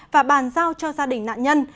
và bàn giao cho gia đình nạn nhân